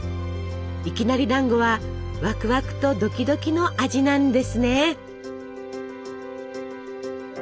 いきなりだんごはワクワクとドキドキの味なんですね！